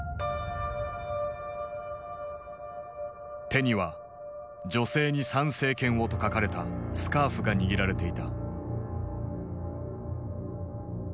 手には「女性に参政権を」と書かれたスカーフが握られていた。